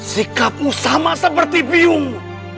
sikapmu sama seperti biungmu